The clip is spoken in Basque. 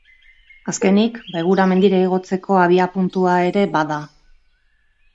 Azkenik, Baigura mendira igotzeko abiapuntua ere bada.